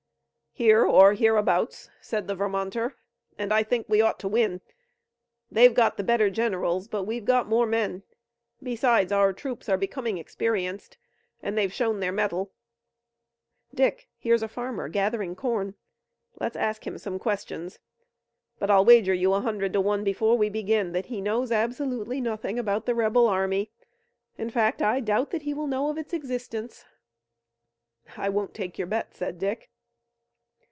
"Here or hereabouts," said the Vermonter, "and I think we ought to win. They've got the better generals, but we've got more men. Besides, our troops are becoming experienced and they've shown their mettle. Dick, here's a farmer gathering corn. Let's ask him some questions, but I'll wager you a hundred to one before we begin that he knows absolutely nothing about the rebel army. In fact, I doubt that he will know of its existence." "I won't take your bet," said Dick.